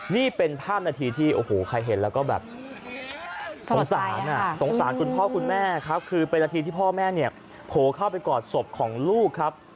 นี่เป็นภาพนาทีที่โอ้โหใครเห็นแล้วก็แบบสงสารสงสารคุณพ่อคุณแม่ครับคือเป็นนาทีที่พ่อแม่เนี่ยโผล่เข้าไปกอดศพของลูกครับ